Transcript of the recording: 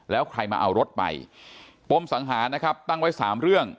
แล้วใครมาเอารถไปปมสังหารนะครับตั้งไว้สามเรื่อง